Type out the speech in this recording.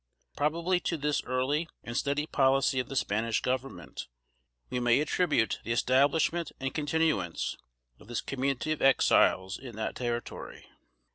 Probably to this early and steady policy of the Spanish Government, we may attribute the establishment and continuance of this community of Exiles in that territory.